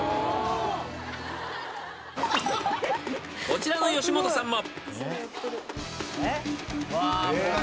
［こちらの吉本さんも］